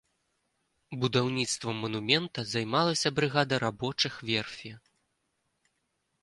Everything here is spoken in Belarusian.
Будаўніцтвам манумента займалася брыгада рабочых верфі.